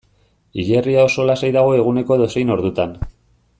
Hilerria oso lasai dago eguneko edozein ordutan.